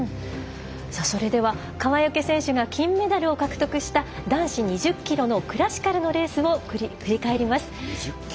それでは川除選手が金メダルを獲得した男子２０ｋｍのクラシカルのレースを振り返ります。